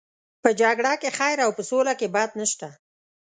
په جګړه کې خیر او په سوله کې بد نشته.